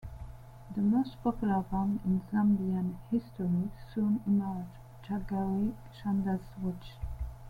The most popular band in Zambian history soon emerged, Jaggari Chanda's Witch.